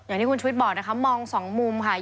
อย่างที่คุณชุวิตบอกนะคะมองสองมุมค่ะ